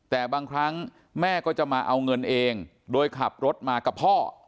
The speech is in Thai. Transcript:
แต่บางครั้งแม่ก็จะมาเอาเงินเองโดยขับรถมากับพ่อ